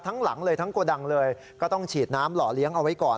ทั้งหลังเลยทั้งโกดังเลยก็ต้องฉีดน้ำหล่อเลี้ยงเอาไว้ก่อน